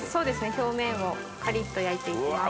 表面をカリっと焼いて行きます。